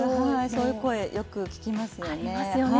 そういう声よく聞きますよね。ありますよね。